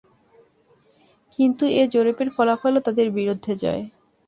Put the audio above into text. কিন্তু এ জরীপের ফলাফলও তাদের বিরুদ্ধে যায়।